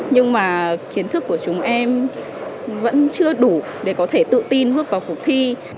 nhưng mà kiến thức của chúng em vẫn chưa đủ để có thể tự tin bước vào cuộc thi